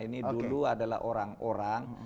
ini dulu adalah orang orang